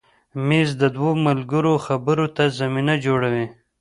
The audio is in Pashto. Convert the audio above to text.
مېز د دوو ملګرو خبرو ته زمینه جوړوي.